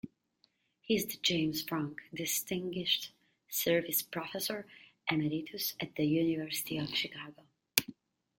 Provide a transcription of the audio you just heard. He is the James Franck Distinguished Service Professor Emeritus at The University of Chicago.